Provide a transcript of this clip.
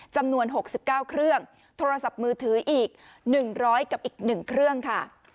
จำนวน๖๙เครื่องโทรศัพท์มือถืออีก๑๐๐กับอีก๑เครื่องค่ะ